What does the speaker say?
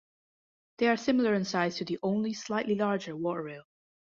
They are similar in size to the only slightly larger water rail.